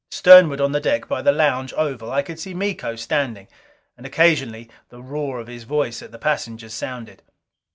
Sternward on the deck, by the lounge oval, I could see Miko standing. And occasionally the roar of his voice at the passengers, sounded.